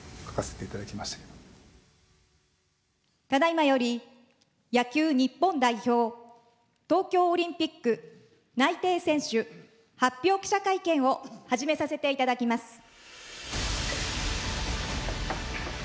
・ただいまより野球日本代表東京オリンピック内定選手発表記者会見を始めさせていただきます。